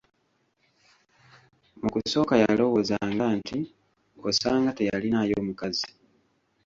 Mu kusooka yalowoozanga nti osanga teyalinaayo mukazi.